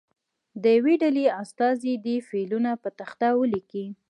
د یوې ډلې استازی دې فعلونه په تخته ولیکي.